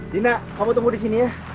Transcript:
dina kamu tunggu disini ya